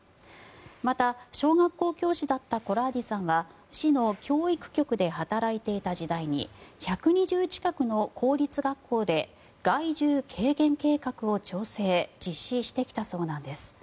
また、小学校教師だったコラーディさんは市の教育局で働いていた時代に１２０近くの公立学校で害獣軽減計画を調整・実施してきたそうなんです。